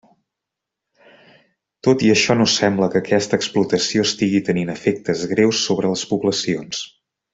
Tot i això no sembla que aquesta explotació estigui tenint efectes greus sobre les poblacions.